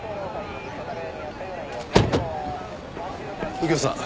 右京さん